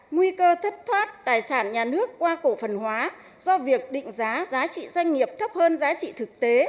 nguy cơ thất thoát tài sản nhà nước qua cổ phần hóa do việc định giá giá trị doanh nghiệp thấp hơn giá trị thực tế